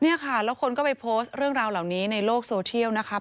เนี่ยค่ะแล้วคนก็ไปโพสต์เรื่องราวเหล่านี้ในโลกโซเทียลนะครับ